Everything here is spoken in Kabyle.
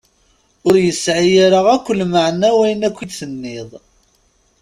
Ur yesɛi ara akklmeɛna wayen akka i d-tenniḍ.